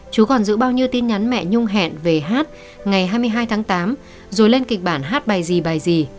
chú còn giữ bao nhiêu tin nhắn mẹ nhung hẹn về hát ngày hai mươi hai tháng tám rồi lên kịch bản hát bài gì bài gì